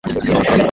সমস্যা নেই, সুইটি।